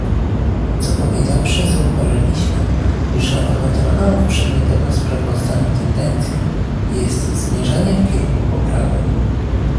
Co powiedziawszy zauważyliśmy, że odnotowaną w przedmiotowym sprawozdaniu tendencją jest zmierzanie w kierunku poprawy